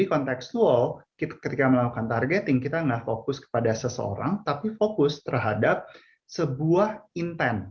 contextual ketika melakukan targeting kita tidak fokus pada seseorang tapi fokus terhadap sebuah intent